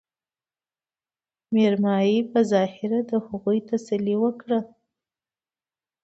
مېرمايي په ظاهره د هغوي تسلې وکړه